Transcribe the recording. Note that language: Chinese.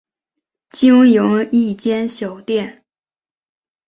经营一间小店